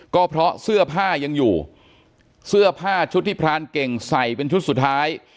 ก็เพราะเสื้อผ้ายังอยู่เสื้อผ้าชุดที่พรานเก่งใส่เป็นชุดสุดท้าย